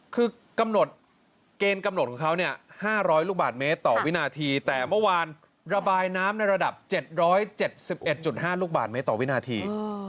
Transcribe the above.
เกณฑ์กำหนดหรือเมื่อวานระบายน้ำระดับ๗๗๑๕ลูกหมาดเมตรต่อวินาที